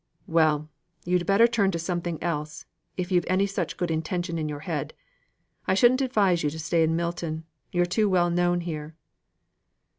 "Well! you'd better turn to something else, if you've any such good intention in your head. I shouldn't advise you to stay in Milton: you're too well known here."